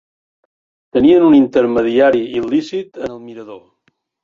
Tenien un intermediari il·lícit en el mirador.